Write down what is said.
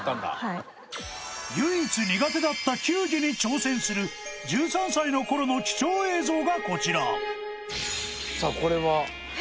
い唯一苦手だった球技に挑戦する１３歳の頃の貴重映像がこちらさあこれは？